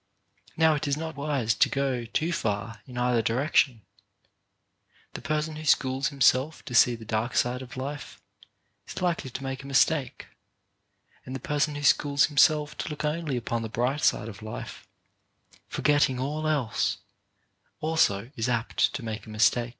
Now it is not wise to go too far in either direc tion. The person who schools himself to see the dark side of life is likely to make a mistake, and the person who schools himself to look only upon the bright side of life, forgetting all else, also is apt to make a mistake.